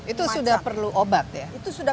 itu sudah perlu obat ya